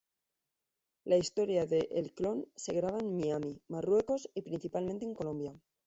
La historia de "El clon" se graba en Miami, Marruecos y principalmente en Colombia.